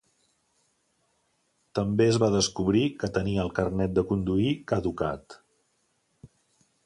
També es va descobrir que tenia el carnet de conduir caducat.